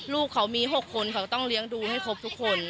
ลูกเขามี๖คนเขาก็ต้องเลี้ยงดูให้ครบทุกคน